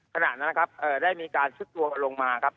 ขณะนั้นนะครับได้มีการซุดตัวลงมาครับ